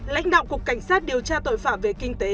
lãnh đạo cục cảnh sát điều tra tội phạm về kinh tế